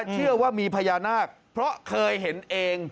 เชื่อว่ามีพญานาคเพราะเคยเห็นเอง